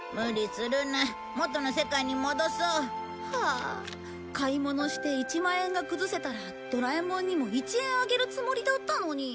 あ買い物して１万円が崩せたらドラえもんにも１円あげるつもりだったのに。